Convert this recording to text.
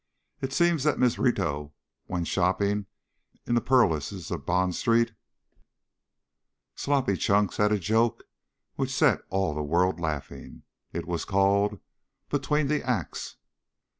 It seems that Miss Rito when shopping in the purlieus of Bond Street ..." Sloppy Chunks had a joke which set all the world laughing. It was called "~BETWEEN THE ACTS.